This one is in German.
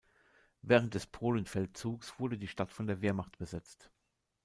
Während des Polenfeldzugs wurde die Stadt von der Wehrmacht besetzt.